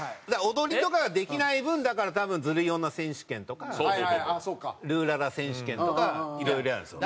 踊りとかができない分だから多分『ズルい女』選手権とかルーララ選手権とかいろいろやるんですよ。